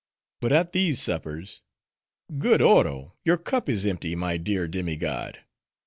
But at these suppers—Good Oro! your cup is empty, my dear demi god!